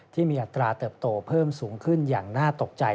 อัตราเติบโตเพิ่มสูงขึ้นอย่างน่าตกใจ